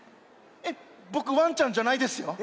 えっボクワンちゃんじゃないですよ。